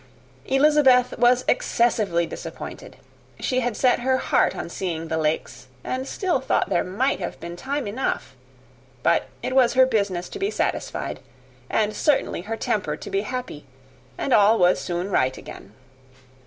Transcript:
Elizabeth was excessively disappointed: she had set her heart on seeing the Lakes; and still thought there might have been time enough. But it was her business to be satisfied and certainly her temper to be happy; and all was soon right again.